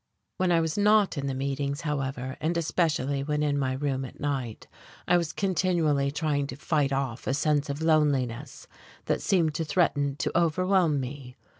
When I was not in the meetings, however, and especially when in my room at night, I was continually trying to fight off a sense of loneliness that seemed to threaten to overwhelm me.